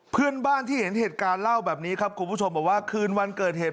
เพื่อนบ้านที่เห็นเหตุการณ์เล่าแบบนี้ครับคุณผู้ชมบอกว่าคืนวันเกิดเหตุ